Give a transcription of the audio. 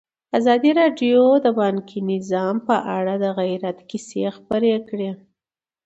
ازادي راډیو د بانکي نظام په اړه د عبرت کیسې خبر کړي.